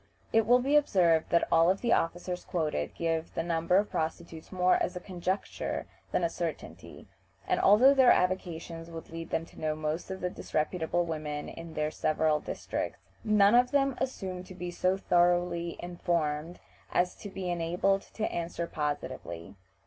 It will be observed that all the officers quoted give the number of prostitutes more as a conjecture than a certainty; and although their avocations would lead them to know most of the disreputable women in their several districts, none of them assume to be so thoroughly informed as to be enabled to answer positively.